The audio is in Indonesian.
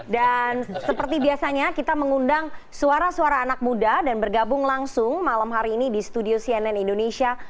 dan seperti biasanya kita mengundang suara suara anak muda dan bergabung langsung malam hari ini di studio cnn indonesia